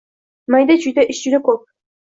mayda-chuyda ishi kjuda ko'p.